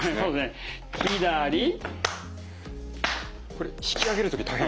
これ引き上げる時大変。